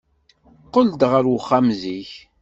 Qqel-d ɣer uxxam zik.